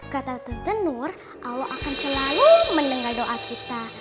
kata tante nur allah akan selalu mendengar doa kita